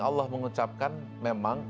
allah mengucapkan memang